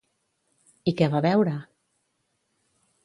I què va veure?